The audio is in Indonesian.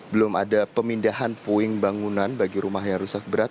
belum ada pemindahan puing bangunan bagi rumah yang rusak berat